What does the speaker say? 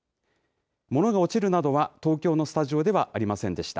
物が落ちるなどは、東京のスタジオではありませんでした。